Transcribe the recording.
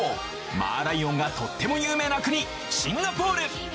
マーライオンがとっても有名な国シンガポール。